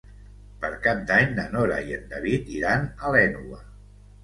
Per Cap d'Any na Nora i en David iran a l'Énova.